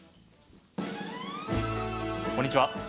こんにちは。